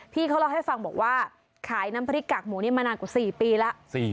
พี่เขาเล่าให้ฟังบอกว่าขายน้ำพริกกากหมูนี้มานานกว่า๔ปีแล้ว